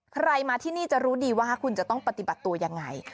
ใครมาที่นี่จะรู้ดีว่าคุณจะต้องปฏิบัติตัวยังไง